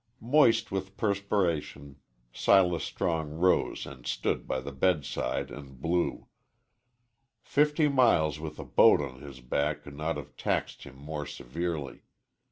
Moist with perspiration, Silas Strong rose and stood by the bedside and blew. Fifty miles with a boat on his back could not have taxed him more severely.